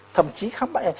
thậm chí khám bệnh